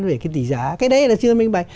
về cái tỷ giá cái đấy là chưa minh bạch